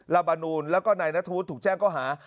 ลาบานูลและก็นายนัทวุธถูกแจ้งเข้าหา